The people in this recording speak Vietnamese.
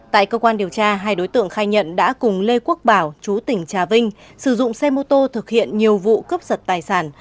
tại cơ quan điều tra hai đối tượng khai nhận đã cùng lê quốc bảo chú tỉnh trà vinh sử dụng xe mô tô thực hiện nhiều vụ cướp giật tài sản